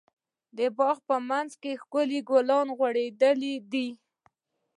د باغ په منځ کې ښکلی ګل غوړيدلی ده.